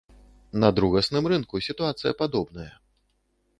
На другасным рынку сітуацыя падобная.